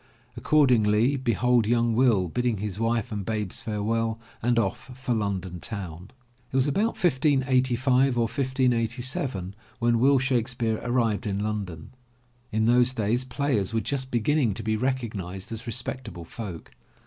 Accordingly, behold young Will, bidding his wife and babes farewell and off for London town. It was about 1585 or 1587 when Will Shakespeare arrived in London. In those days players were just beginning to be recog nized as respectable folk.